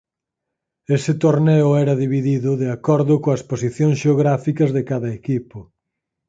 Ese torneo era dividido de acordo coas posicións xeográficas de cada equipo.